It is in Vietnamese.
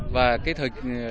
và cái thật